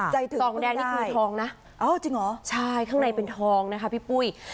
สองแดงนี่คือทองนะเอาจริงเหรอใช่ข้างในเป็นทองนะคะพี่ปุ้ย